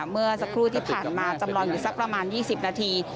เมื่อสักครู่ที่ผ่านมาจำลองอยู่สักประมาณ๒๐นาที